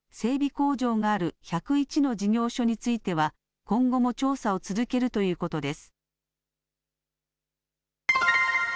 工場がある１０１の事業所については、今後も調査を続けるということです。